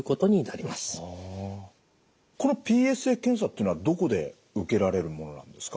このＰＳＡ検査ってのはどこで受けられるものなんですか？